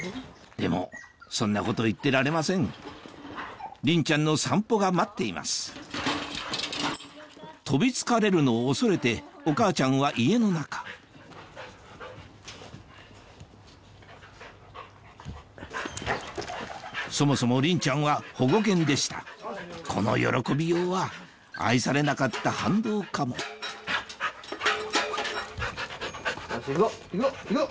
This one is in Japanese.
でもそんなこと言ってられませんリンちゃんの散歩が待っています飛び付かれるのを恐れてお母ちゃんは家の中そもそもリンちゃんは保護犬でしたこの喜びようは愛されなかった反動かも行くぞ行くぞ！